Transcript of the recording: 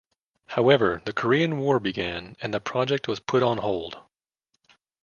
However the Korean War began and the project was put on hold.